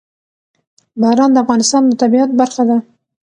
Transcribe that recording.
باران د افغانستان د طبیعت برخه ده.